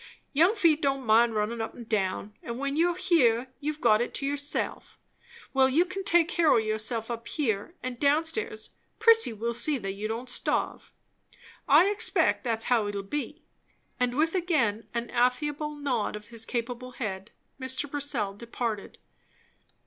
Young feet don't mind runnin' up and down; and when you are here, you've got it to yourself. Well, you can take care o' yourself up here; and down stairs Prissy will see that you don't starve. I expect that's how it'll be." And with again an affable nod of his capable head, Mr. Purcell departed.